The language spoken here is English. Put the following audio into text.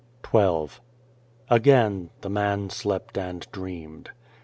"" 130 XII AGAIN the man slept and dreamed.